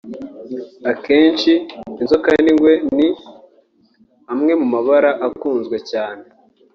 akenshi inzoka n’ingwe ni amwe mu mabara akunzwe cyane